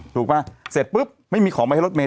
ป่ะเสร็จปุ๊บไม่มีของมาให้รถเมย